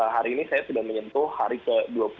hari ini saya sudah menyentuh hari ke dua puluh satu